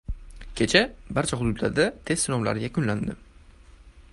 Kecha barcha hududlarda test sinovlari yakunlandi